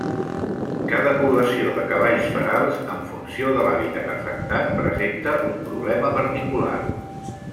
Cada població de cavalls ferals, en funció de l'hàbitat afectat, presenta un problema particular.